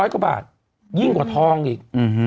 กว่าบาทยิ่งกว่าทองอีก